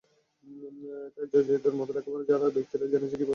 তাই জয়োজিতের মতো লেখাপড়া জানা ব্যক্তিরা জেনেছে কীভাবে একটি জাতিকে চালাতে হয়।